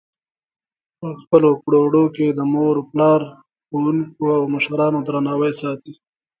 په خپلو کړو وړو کې د مور پلار، ښوونکو او مشرانو درناوی ساتي.